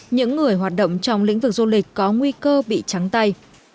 những người hoạt động trong lĩnh vực du lịch có nguy cơ bị trắng tay